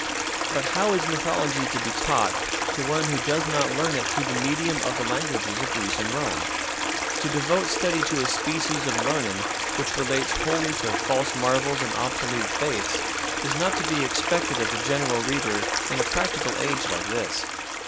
But how is mythology to be taught to one who does not learn it through the medium of the languages of Greece and Rome? To devote study to a species of learning which relates wholly to false marvels and obsolete faiths is not to be expected of the general reader in a practical age like this.